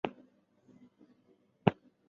接连搭车赶到了医院